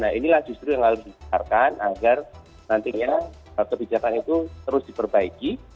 nah inilah justru yang harus dibesarkan agar nantinya kebijakan itu terus diperbaiki